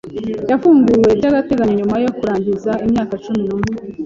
Yafunguwe by'agateganyo nyuma yo kurangiza imyaka cumi n'umwe.